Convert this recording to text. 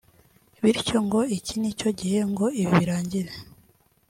bityo ngo iki nicyo gihe ngo ibi birangire